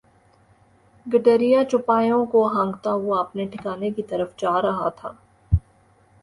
گڈریا چوپایوں کو ہانکتا ہوا اپنے ٹھکانے کی طرف جا رہا تھا۔